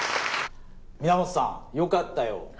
皆本さんよかったよ。